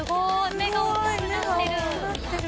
目がおっきくなってる。